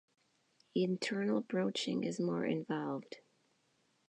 Internal broaching is more involved.